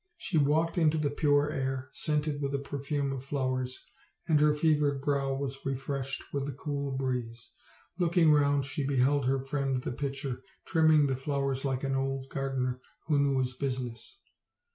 She walked into the pure air, scented with the perfume of flowers, and her fevered brow was refreshed with the cool breeze. Looking round, she beheld her friend the pitcher trimming the flowers like an old gardener who knew his business.